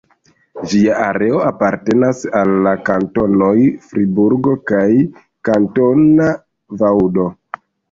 Ĝia areo apartenas al la kantonoj Friburgo kaj Kantona Vaŭdo.